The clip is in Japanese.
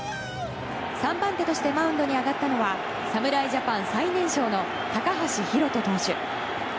３番手としてマウンドに上がったのは侍ジャパン最年少の高橋宏斗投手。